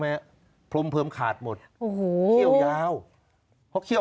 วากดินขนาดนั้นเลย